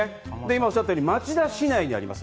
おっしゃったように町田市内にあります。